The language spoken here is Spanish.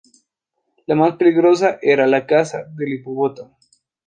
La más peligrosa era la caza del hipopótamo.